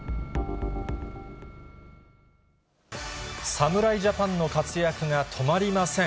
侍ジャパンの活躍が止まりません。